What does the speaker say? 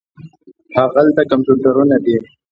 هاغلته کمپیوټرونه دي.